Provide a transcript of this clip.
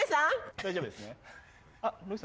大丈夫ですね？